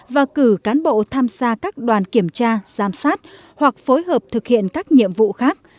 và cử cán bộ tham gia các đoàn kiểm tra giám sát hoặc phối hợp thực hiện các nhiệm vụ khác